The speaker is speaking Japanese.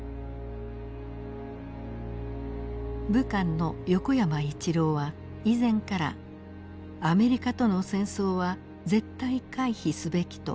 武官の横山一郎は以前からアメリカとの戦争は絶対回避すべきと主張してきた人物です。